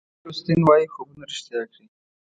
جویل اوسټین وایي خوبونه ریښتیا کړئ.